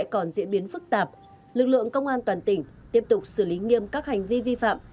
còn diễn biến phức tạp lực lượng công an toàn tỉnh tiếp tục xử lý nghiêm các hành vi vi phạm